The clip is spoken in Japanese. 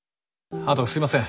あとすいません